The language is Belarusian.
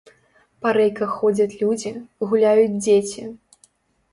Па рэйках ходзяць людзі, гуляюць дзеці.